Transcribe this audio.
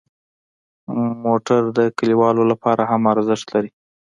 موټر د کلیوالو لپاره هم ارزښت لري.